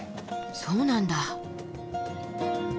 そうなんだ。